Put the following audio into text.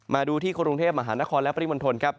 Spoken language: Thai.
มาดูที่กรุงเทพมหานครและปริมณฑลครับ